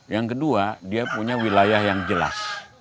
yang kedua dia punya wilayah yang jelas